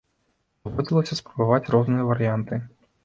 Даводзілася спрабаваць розныя варыянты.